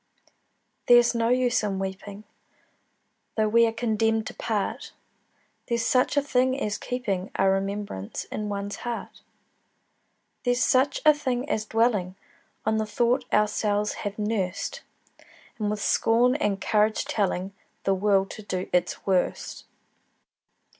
There's no use in weeping, Though we are condemned to part: There's such a thing as keeping A remembrance in one's heart: There's such a thing as dwelling On the thought ourselves have nursed, And with scorn and courage telling The world to do its worst.